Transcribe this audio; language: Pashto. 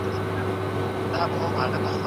الپاکا 🦙